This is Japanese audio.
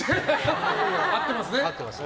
合っていますね。